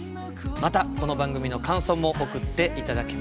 またこの番組の感想も送って頂けます。